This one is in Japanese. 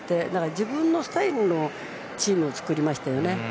自分のスタイルのチームを作りましたよね。